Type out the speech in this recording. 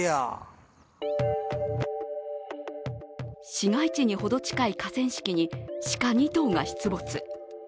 市街地にほど近い河川敷に鹿２頭が出没。